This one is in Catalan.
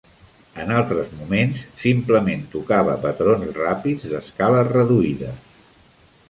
En altres moments, simplement tocava patrons ràpids d'escales reduïdes.